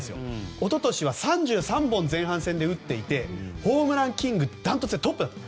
一昨年は３３本前半戦で打っていてホームランキングダントツでトップだった。